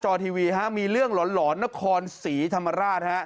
ทีวีฮะมีเรื่องหลอนนครศรีธรรมราชฮะ